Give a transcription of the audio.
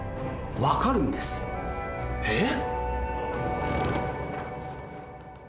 えっ！？